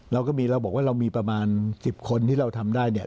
เราก็บอกว่าเรามีประมาณ๑๐คนที่เราทำได้